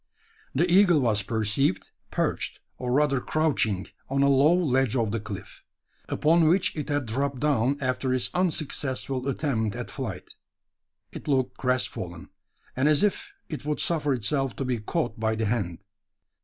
The eagle was perceived, perched, or rather crouching, on a low ledge of the cliff, upon which it had dropped down after its unsuccessful attempt at flight. It looked crestfallen, and as if it would suffer itself to be caught by the hand.